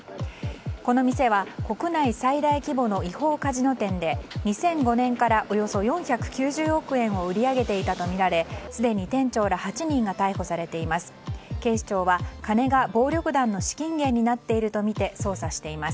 この店は、国内最大規模の違法カジノ店で２００５年からおよそ４９０億円を売り上げていたとみられすでに店長ら８人が逮捕されています。